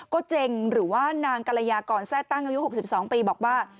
ก็เจงหรือว่านางกรยากรแทร่ตั้งอายุ๖๒ปีบอกว่า